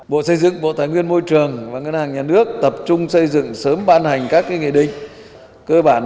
bộ xây dựng bộ tây nguyên môi trường và ngân hàng nhà nước tập trung xây dựng sớm ban hành các nghị định